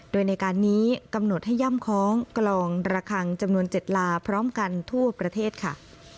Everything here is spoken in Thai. โดยในการนี้กำหนดให้ย่ำคล้องกลองระคังจำนวน๗ลาพร้อมกันทั่วประเทศค่ะ